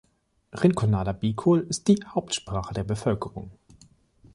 Rinconada Bikol ist die Hauptsprache der Bevölkerung.